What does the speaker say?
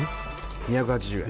２８０円